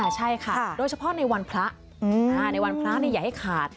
ใช่ค่ะโดยเฉพาะในวันพระในวันพระอย่าให้ขาด